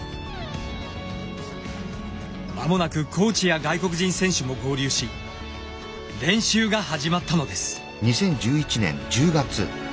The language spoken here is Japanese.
間もなくコーチや外国人選手も合流し練習が始まったのです。